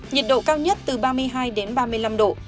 nhiệt độ cao nhất từ ba mươi hai ba mươi năm độ